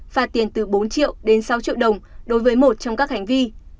phạt tiền từ bốn triệu đến sáu triệu đồng đối với một trong các hành vi